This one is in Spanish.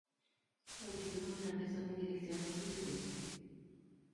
Los vientos dominantes son en dirección este y sureste.